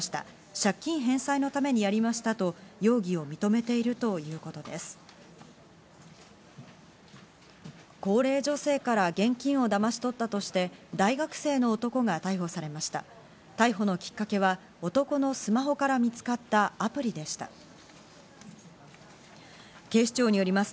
借金返済のためにやりましたと、容疑を認めているということです。